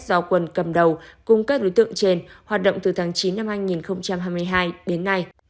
do quần cầm đầu cung cấp đối tượng trên hoạt động từ tháng chín năm hai nghìn hai mươi hai đến nay